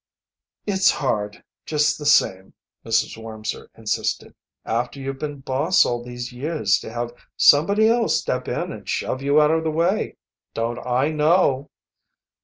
"It's hard, just the same," Mrs. Wormser insisted, "after you've been boss all these years to have somebody else step in and shove you out of the way. Don't I know!"